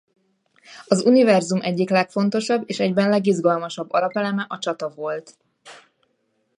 Az univerzum egyik legfontosabb és egyben legizgalmasabb alapeleme a csata volt.